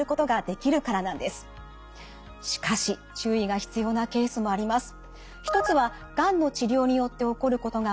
しかし注意が必要なケースもあります。